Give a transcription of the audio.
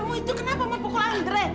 kamu itu kenapa mau pukul andri